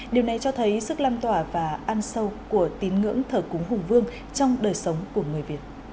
điều này cho thấy sức lan tỏa và ăn sâu của tín ngưỡng thờ cúng hùng vương trong đời sống của người việt